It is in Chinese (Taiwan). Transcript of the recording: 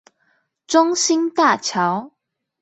中興大橋